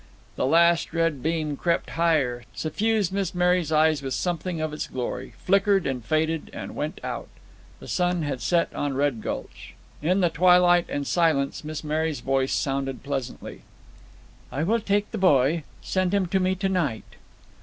The last red beam crept higher, suffused Miss Mary's eyes with something of its glory, flickered, and faded, and went out. The sun had set on Red Gulch. In the twilight and silence Miss Mary's voice sounded pleasantly. "I will take the boy. Send him to me tonight."